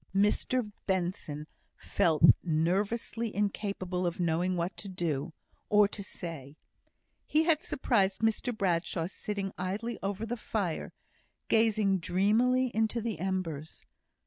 Mr Benson felt nervously incapable of knowing what to do, or to say. He had surprised Mr Bradshaw sitting idly over the fire gazing dreamily into the embers.